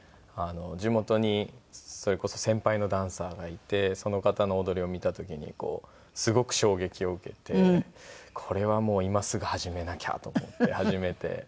地元にそれこそ先輩のダンサーがいてその方の踊りを見た時にすごく衝撃を受けてこれはもう今すぐ始めなきゃと思って始めて。